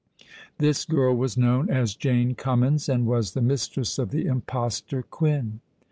This girl was known as Jane Cummins, and was the mistress of the impostor Quin.